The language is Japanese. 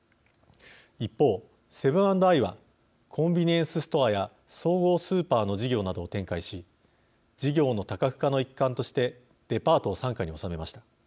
一方、セブン＆アイはコンビニエンスストアや総合スーパーの事業などを展開し事業の多角化の一環としてデパートを傘下に収めました。